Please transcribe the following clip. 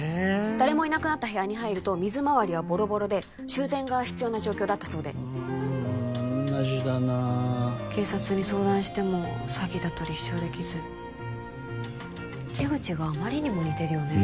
誰もいなくなった部屋に入ると水回りはボロボロで修繕が必要な状況だったそうでうん同じだな警察に相談しても詐欺だと立証できず手口があまりにも似てるよね